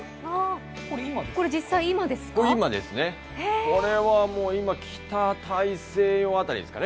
これは実際の今ですか。